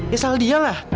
ya salah dia lah